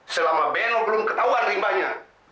selama beno belum ketahuan rimbahnya